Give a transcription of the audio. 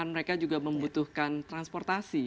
mereka juga membutuhkan transportasi